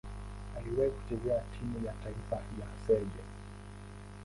Aliwahi kucheza timu ya taifa ya Serbia.